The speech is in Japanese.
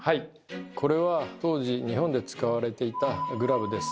これは当時日本で使われていたグラブです。